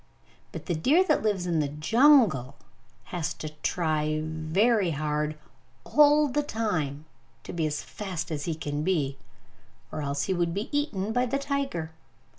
But the deer that lives in the jungle has to try very hard all the time to be as fast as he can be, or else he would be eaten by the tiger!